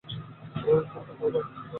শান্ত হও, ভাই।